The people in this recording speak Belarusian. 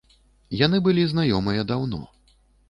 Яны былі знаёмыя даўно.